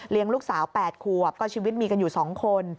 ลูกสาว๘ขวบก็ชีวิตมีกันอยู่๒คน